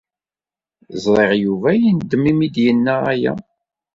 Ẓriɣ Yuba yendem imi ay d-yenna aya.